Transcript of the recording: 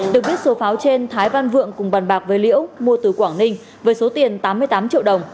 được biết số pháo trên thái văn vượng cùng bàn bạc với liễu mua từ quảng ninh với số tiền tám mươi tám triệu đồng